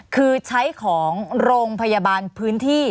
คือใช้ของโรงพยาบาลพื้นที่